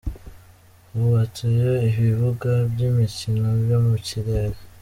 Hubatseyo ibibuga by’imikino byo mu kirere.